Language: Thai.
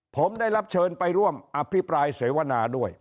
ผมได้รับเชิญไปร่วมอภิปรายเสวนาด้วย